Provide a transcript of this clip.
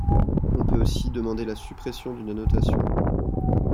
On peut aussi demander la suppression d'une annotation.